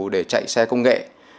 để chạy xe công nghệ